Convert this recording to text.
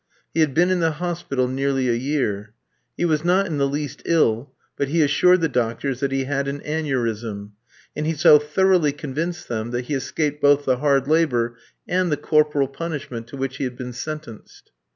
He had been in the hospital nearly a year. He was not in the least ill, but he assured the doctors that he had an aneurism, and he so thoroughly convinced them that he escaped both the hard labour and the corporal punishment to which he had been sentenced.